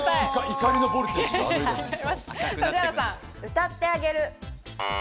歌ってあげる。